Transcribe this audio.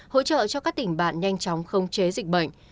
hỗ trợ cho các tỉnh bạn nhanh chóng khống chế dịch bệnh